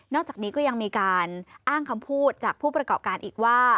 จากนี้ก็ยังมีการอ้างคำพูดจากผู้ประกอบการอีกว่า